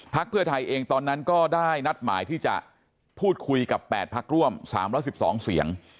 เพื่อไทยเองตอนนั้นก็ได้นัดหมายที่จะพูดคุยกับ๘พักร่วม๓๑๒เสียง